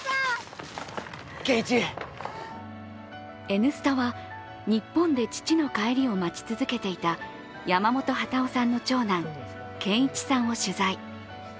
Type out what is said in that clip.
「Ｎスタ」は日本で父の帰りを待ち続けていた山本幡男さんの長男顕一さんを取材。